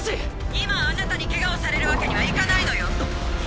今あなたにケガをされるわけにはいかないのよ。